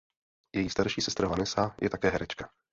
Její starší sestra Vanessa je také herečka.